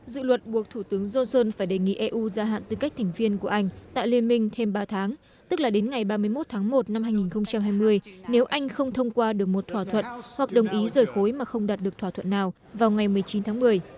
dự luật buộc thủ tướng johnson phải đề nghị eu gia hạn tư cách thành viên của anh tại liên minh thêm ba tháng tức là đến ngày ba mươi một tháng một năm hai nghìn hai mươi nếu anh không thông qua được một thỏa thuận hoặc đồng ý rời khối mà không đạt được thỏa thuận nào vào ngày một mươi chín tháng một mươi